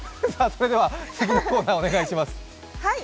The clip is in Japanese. それでは次のコーナー、お願いします。